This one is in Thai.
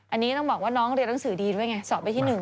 อันนี้ต้องบอกว่าน้องเรียนหนังสือดีด้วยไงสอบไปที่๑